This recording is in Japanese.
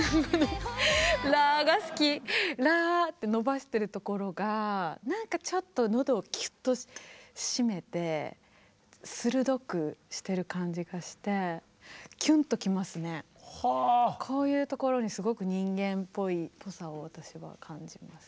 「ら」って伸ばしてるところが何かちょっと喉をキュッと締めて鋭くしてる感じがしてこういうところにすごく人間っぽさを私は感じます。